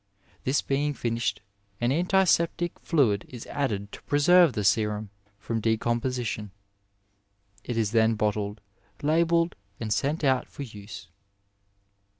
This being finished, an antiseptic fluid is added to pre serve the serum from decomposition. It is then bottled, labelled, and sent out for use.